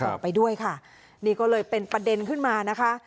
ต่อไปด้วยค่ะนี่ก็เลยเป็นประเด็นขึ้นมานะคะ